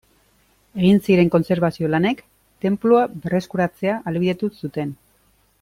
Egin ziren kontserbazio lanek, tenplua berreskuratzea ahalbidetu zuten.